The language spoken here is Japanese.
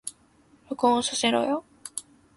録音させろよ